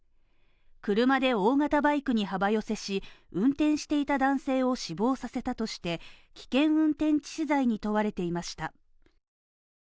車で大型バイクに幅寄せし、運転していた男性を死亡させたとして危険運転致死罪に問われていました。